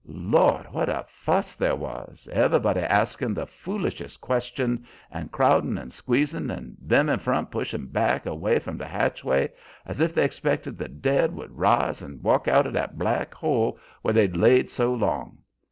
Lord! what a fuss there was. Everybody askin' the foolishest questions, and crowdin' and squeezin', and them in front pushin' back away from the hatchway, as if they expected the dead would rise and walk out o' that black hole where they'd laid so long.